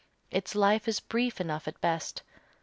Its life is brief enough at best.